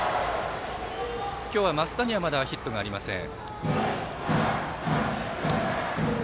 今日は増田にはまだヒットがありません。